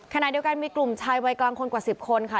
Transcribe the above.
ขณะเดียวกันมีกลุ่มชายวัยกลางคนกว่า๑๐คนค่ะ